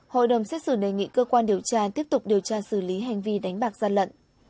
hội đồng xét xử đề nghị cơ quan điều tra tiếp tục điều tra xử lý hành vi đánh bạc gian lận